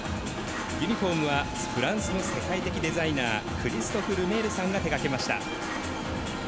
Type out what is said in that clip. ユニフォームはフランスの世界的デザイナークリストフ・ルメールさんが手がけました。